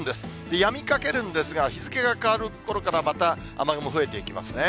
やみかけるんですが、日付が変わるころからまた雨雲増えていきますね。